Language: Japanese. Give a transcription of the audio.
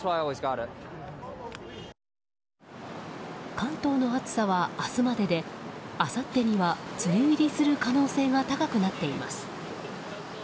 関東の暑さは明日までであさってには梅雨入りする可能性が高くなっています。